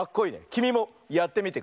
きみもやってみてくれ！